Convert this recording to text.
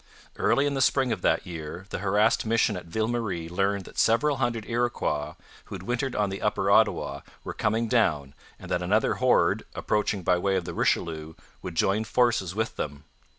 Early in the spring of that year the harassed mission at Ville Marie learned that several hundred Iroquois, who had wintered on the upper Ottawa, were coming down, and that another horde, approaching by way of the Richelieu, would join forces with them.